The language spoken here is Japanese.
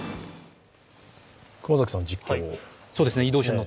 熊崎さんが実況を？